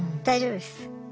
大丈夫です。